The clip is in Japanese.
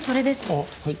あっはい。